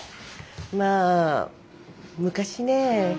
まあ昔ね。